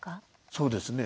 そうですね。